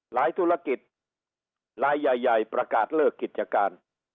ธุรกิจลายใหญ่ประกาศเลิกกิจการ